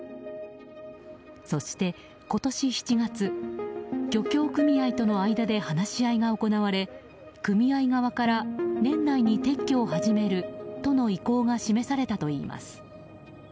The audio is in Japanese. そして、今年７月漁協組合との間で話し合いが行われ組合側から年内に撤去を始めるとの意向が示されたといいます。